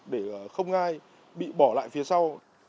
để không ai bị bỏ lại phía sau